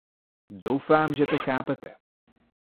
Doufám, že to chápete.